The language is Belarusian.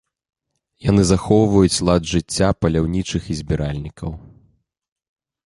Яны захоўваюць лад жыцця паляўнічых і збіральнікаў.